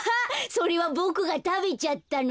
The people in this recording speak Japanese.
それもボクがたべちゃったの。